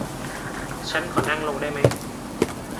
ฉันขอนั่งลงได้ไหม